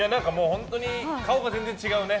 本当に顔が全然違うね。